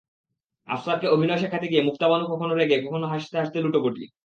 আফসারকে অভিনয় শেখাতে গিয়ে মুক্তাবানু কখনো রেগে যায়, কখনো হাসতে হাসতে লুটোপুটি।